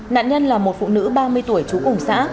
nạn nhân là một phụ nữ ba mươi tuổi trú cùng xã